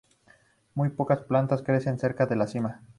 Muy pocas plantas crecen cerca de la cima.